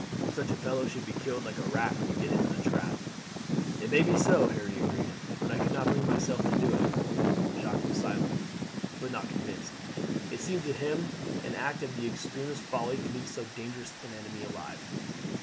Such a fellow should be killed like a rat when you get him in a trap." "It may be so," Harry agreed; "but I could not bring myself to do it." Jacques was silent, but not convinced. It seemed to him an act of the extremest folly to leave so dangerous an enemy alive.